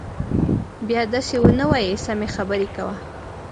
بيا دسې ونه وايي سمې خبرې کوه.